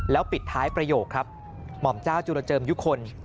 แล้วปิดท้ายประโยคครับหม่อมเจ้าจุรเจิมยุคล